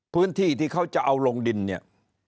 พื้นที่ที่เขาจะเอาลงดินเนี่ย